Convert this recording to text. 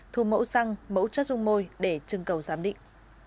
thu mẫu xăng mẫu chất dung môi để trưng cầu giám định